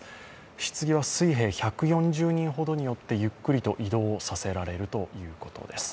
ひつぎは水兵１４０人ほどによってゆっくりと移動させられるということです。